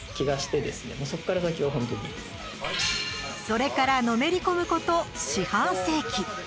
それから、のめり込むこと四半世紀。